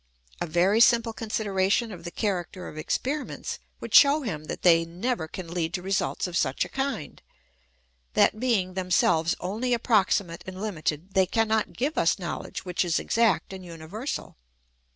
A very simple consideration of the character of experi ments would show him that they never can lead to results of such a kind ; that being themselves only approximate and limited, they cannot give us knowledge which is exact and universal.